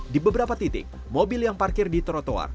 di beberapa titik mobil yang parkir di trotoar